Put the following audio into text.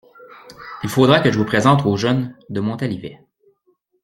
Il faudra que je vous présente au jeune de Montalivet.